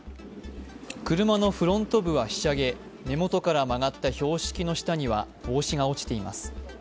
車のフロント部はひしゃげ、根元から曲がった標識の下には帽子が落ちています。